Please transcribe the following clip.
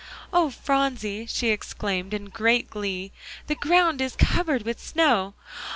"Oh, Phronsie!" she exclaimed in great glee, "the ground is all covered with snow!"